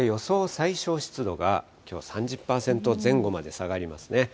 最小湿度が、きょうは３０％前後まで下がりますね。